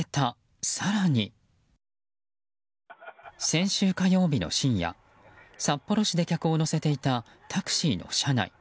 先週火曜日の深夜札幌市で客を乗せていたタクシーの車内。